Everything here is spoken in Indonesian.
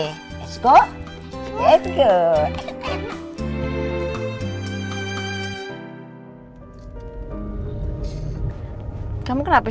kamu kenapa sih megang tangan aku bawa